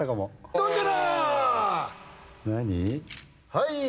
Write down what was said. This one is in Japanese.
はい。